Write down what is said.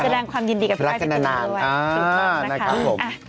เชิญรังความยินดีกับพี่พ่อพี่ตัวนี้ด้วยรักกันนานถึงกลับนะครับ